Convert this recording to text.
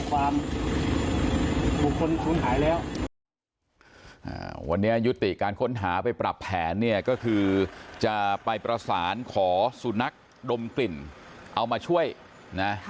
วันนี้ยุติการค้นหาไปปรับแผนเนี่ยก็คือจะไปประสานขอสุนัขดมกลิ่นเอามาช่วยนะ